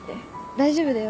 大丈夫だよ